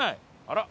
あら！